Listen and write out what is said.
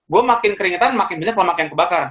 gue makin keringetan makin banyak lemak yang kebakar